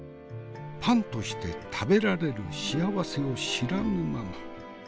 パンとして食べられる幸せを知らぬまま。